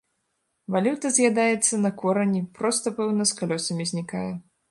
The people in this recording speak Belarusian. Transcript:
Валюта з'ядаецца на корані, проста, пэўна, з калёсамі знікае.